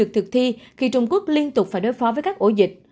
thì khi trung quốc liên tục phải đối phó với các ổ dịch